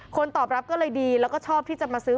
ตอบรับก็เลยดีแล้วก็ชอบที่จะมาซื้อ